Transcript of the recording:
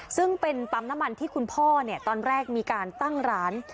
ซึ่งเป็นปั๊มน้ำมันที่คุณพ่อตอนแรกมีการตั้งร้าน